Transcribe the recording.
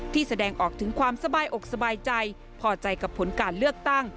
แสดงออกถึงความสบายอกสบายใจพอใจกับผลการเลือกตั้ง